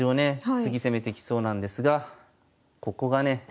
次攻めてきそうなんですがここがね